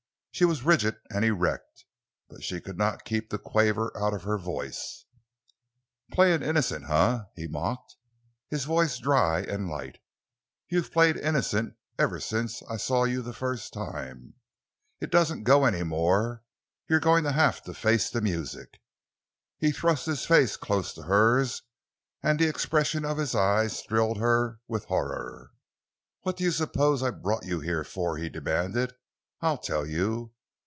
She was rigid and erect, but she could not keep the quaver out of her voice. "Playing the innocent, eh?" he mocked, his voice dry and light. "You've played innocent ever since I saw you the first time. It doesn't go anymore. You're going to face the music." He thrust his face close to hers and the expression of his eyes thrilled her with horror. "What do you suppose I brought you here for?" he demanded. "I'll tell you.